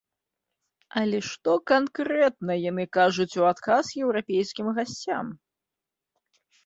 Але што канкрэтна яны кажуць у адказ еўрапейскім гасцям?